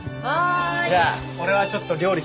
じゃあ俺はちょっと料理準備してくっから。